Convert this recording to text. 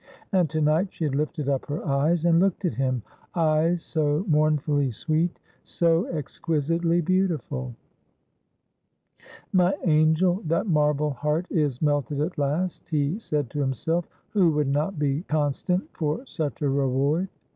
And to night she had lifted up her eyes and looked at him— eyes so mourn fully sweet, so exquisitely beautiful. ' My angel, that marble heart is melted at last,' he said to himself. ' Who would not be constant, for such a reward